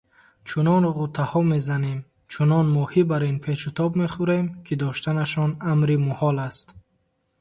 Чунон ғӯтаҳо мезанем, чунон моҳӣ барин печутоб мехӯрем, ки доштанашон амри муҳол аст.